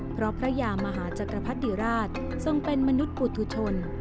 เพราะพระยามหาจักรพรรดิราชทรงเป็นมนุษย์ปุธุชน